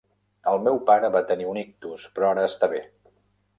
El meu pare va tenir un ictus, però ara està bé.